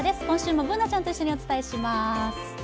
今週もＢｏｏｎａちゃんと一緒にお伝えします。